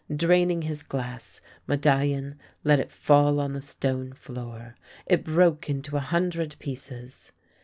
Draining his glass, Medallion let it fall on the stone floor. It broke into a hundred pieces.